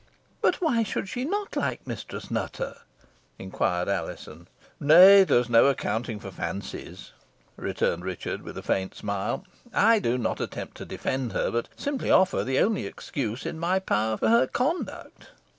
"But why should she not like Mistress Nutter?" inquired Alizon. "Nay, there is no accounting for fancies," returned Richard, with a faint smile. "I do not attempt to defend her, but simply offer the only excuse in my power for her conduct."